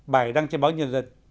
bài đăng trên báo nhân dân